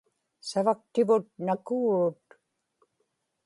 savaktivut nakuurut